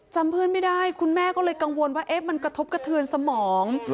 เพื่อนไม่ได้คุณแม่ก็เลยกังวลว่ามันกระทบกระเทือนสมอง